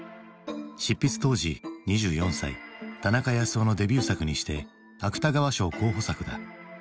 執筆当時２４歳田中康夫のデビュー作にして芥川賞候補作だ。